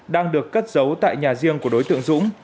đang được cất giấu tại nhà riêng của đối tượng dũng